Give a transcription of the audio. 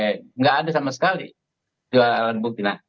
tidak ada sama sekali dua alat bukti